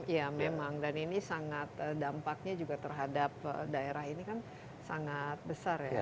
ya memang dan ini sangat dampaknya juga terhadap daerah ini kan sangat besar ya